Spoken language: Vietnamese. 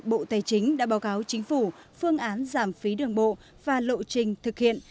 bộ tài chính đã báo cáo chính phủ phương án giảm phí đường bộ và lộ trình thực hiện